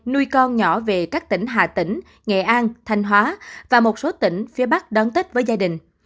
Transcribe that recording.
nuôi con nhỏ về các tỉnh hà tĩnh nghệ an thanh hóa và một số tỉnh phía bắc đón tết với gia đình